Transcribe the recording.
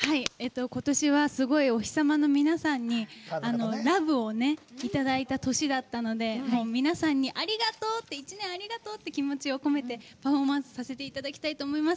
今年は、すごいおひさまの皆様にＬＯＶＥをいただいた年だったので皆さんに１年ありがとう！っていう気持ちを込めてパフォーマンスさせていただきたいと思います。